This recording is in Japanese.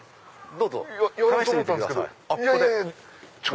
どうぞ。